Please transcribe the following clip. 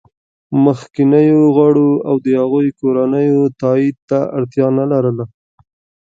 مخکینیو غړو او د هغوی کورنیو تایید ته اړتیا نه لرله